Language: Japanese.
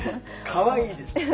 かわいいですね。